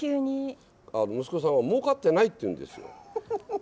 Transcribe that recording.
息子さんは「もうかってない」って言うんですよ。